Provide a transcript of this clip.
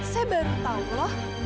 saya baru tahu loh